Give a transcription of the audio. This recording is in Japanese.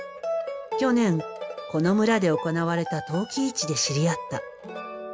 去年この村で行われた陶器市で知り合った。